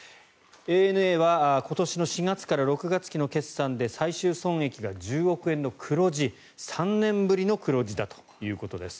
ＡＮＡは今年の４月から６月期の決算で最終損益が１０億円の黒字３年ぶりの黒字だということです。